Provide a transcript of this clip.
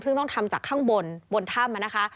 ซึ่งต้องทำจากข้างบนบนถ้ำนะคะ